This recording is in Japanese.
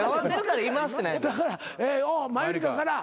だからマユリカから。